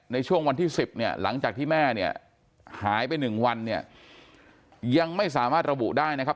ในช่วงวันที่๑๐หลังจากที่แม่หายไป๑วันยังไม่สามารถระบุได้นะครับ